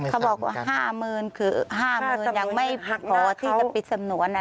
เขาบอกว่า๕หมื่นคือ๕หมื่นยังไม่พอที่จะปิดสำนวนอะไร